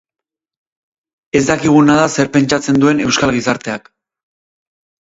Ez dakiguna da zer pentsatzen duen euskal gizarteak.